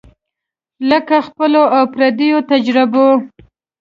له خپلو او پردیو تجربو